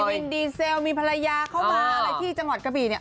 วินดีเซลมีภรรยาเข้ามาอะไรที่จังหวัดกะบี่เนี่ย